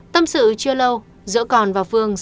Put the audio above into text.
tâm sự chưa lâu